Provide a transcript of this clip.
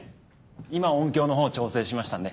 今音響のほう調整しましたんで。